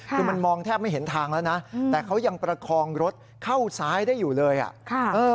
คือมันมองแทบไม่เห็นทางแล้วนะแต่เขายังประคองรถเข้าซ้ายได้อยู่เลยอ่ะค่ะเออ